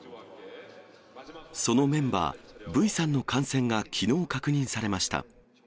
そのメンバー、Ｖさんの感染がきのう確認されました。